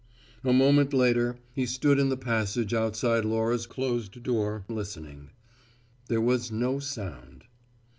A moment later, he stood in the passage outside Laura's closed door listening. There was no sound.